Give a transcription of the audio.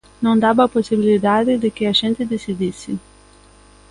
Non daba a posibilidade de que a xente decidise.